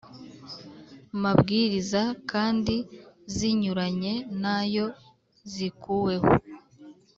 Mabwiriza kandi zinyuranye nayo zikuweho